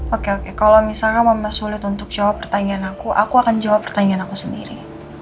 oke oke kalau misalnya mama sulit untuk jawab pertanyaan aku aku akan jawab pertanyaan aku sendiri